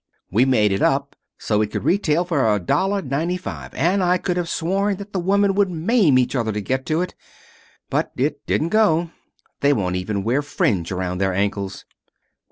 We made it up so it could retail for a dollar ninety five, and I could have sworn that the women would maim each other to get to it. But it didn't go. They won't even wear fringe around their ankles."